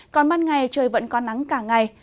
còn ban ngày trời vẫn có nắng cả ngày